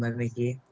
baik mbak meding